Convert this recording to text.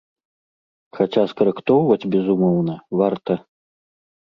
Хаця скарэктоўваць, безумоўна, варта.